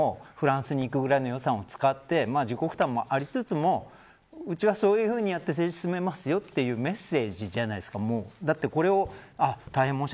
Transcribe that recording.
３泊５日で何十人もフランスに行くぐらいの予算を使って自己負担もありつつもうちはそういうふうにやって政治を進めますよというメッセージじゃないですか。